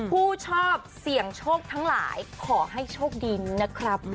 ผู้ชอบเสี่ยงโชคทั้งหลายขอให้โชคดีนะครับ